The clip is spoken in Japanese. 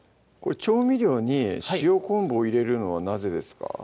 調味料に塩昆布を入れるのはなぜですか？